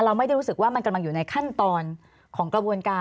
ไม่ได้รู้สึกว่ามันกำลังอยู่ในขั้นตอนของกระบวนการ